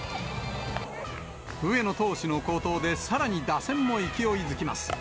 上野投手の好投でさらに打線も勢いづきます。